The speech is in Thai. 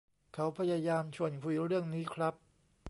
เขาพยายามชวนคุยเรื่องนี้ครับ